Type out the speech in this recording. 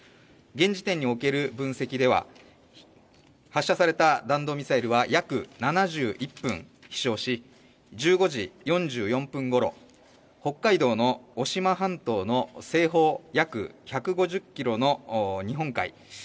現時点における分析では、発射された弾道ミサイルは約７１分飛翔し、１５時４４分ごろ、北海道の渡島半島の西方約１５０ｋｍの日本海